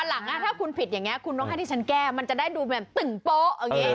วันหลังถ้าคุณผิดอย่างนี้คุณต้องให้ที่ฉันแก้มันจะได้ดูแบบตึงโป๊ะ